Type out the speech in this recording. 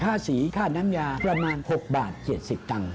ค่าสีค่าน้ำยาประมาณ๖บาท๗๐ตังค์